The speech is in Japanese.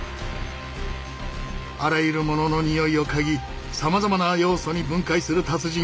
あらゆるものの匂いを嗅ぎさまざまな要素に分解する達人